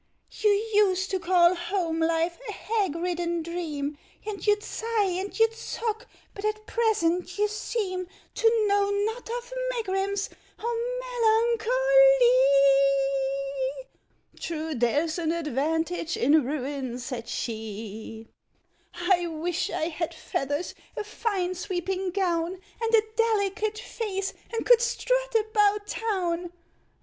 —"You used to call home life a hag ridden dream, And you'd sigh, and you'd sock; but at present you seem To know not of megrims or melancho ly!"— "True. There's an advantage in ruin," said she. —"I wish I had feathers, a fine sweeping gown, And a delicate face, and could strut about Town!"